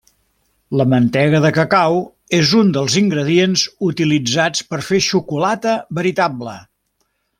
La mantega de cacau és un dels ingredients utilitzats per fer xocolata veritable.